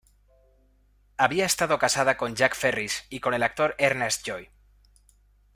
Había estado casada con Jack Ferris y con el actor Ernest Joy.